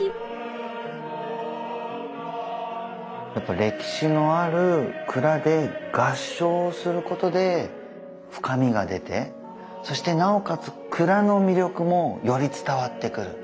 やっぱ歴史のある蔵で合唱をすることで深みが出てそしてなおかつ蔵の魅力もより伝わってくる。